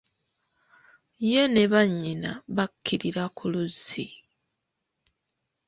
Ye ne bannyina bakkirira ku luzzi .